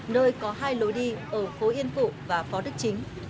nơi có hai lối đi ở phố yên phụ và phó đức chính